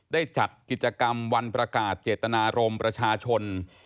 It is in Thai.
ได้จัดกิจกรรมวันประกาศเจตนารมณ์ประชาชน